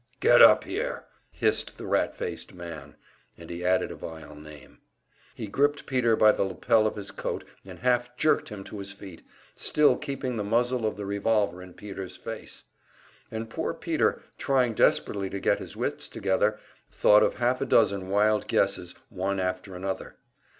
"Get up here!" hissed the rat faced man, and he added a vile name. He gripped Peter by the lapel of his coat and half jerked him to his feet, still keeping the muzzle of the revolver in Peter's face. And poor Peter, trying desperately to get his wits together, thought of half a dozen wild guesses one after another.